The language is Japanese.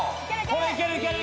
これいけるいける。